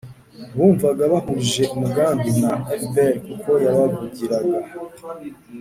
bumvaga bahuje umugambi na fpr kuko yabavugiraga.